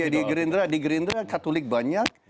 di gerindra katolik banyak